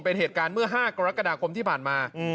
เป็นเหตุการณ์เมื่อ๕กรกฎาคมที่ผ่านมา